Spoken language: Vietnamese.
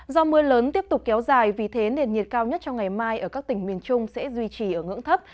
do mưa lớn tiếp tục kéo dài vì thế nền nhiệt cao nhất trong ngày mai ở các tỉnh miền trung sẽ duy trì ở ngưỡng thấp